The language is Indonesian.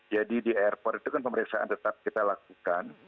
jadi di airport itu kan pemeriksaan tetap kita lakukan